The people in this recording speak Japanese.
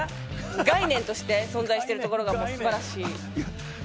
概念として存在してるところが素晴らしい。